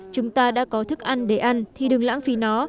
chúng ta đã có thức ăn để ăn thì đừng lãng phí nó